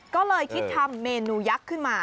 ก็เลยคิดทำเมนูยักษ์ขึ้นมา